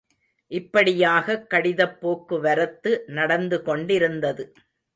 இப்படியாகக் கடிதப் போக்குவரத்து நடந்து கொண்டிருந்தது.